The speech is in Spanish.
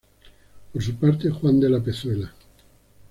Por su parte, Juan de la Pezuela.